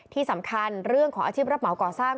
ที่สำคัญเรื่องของอาชีพรับเหมาก่อสร้าง